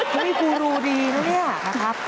เขามีกูรูดีเนนะครับ